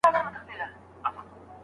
مثبت ملګري مو ژوند ته نوی رنګ ورکوي.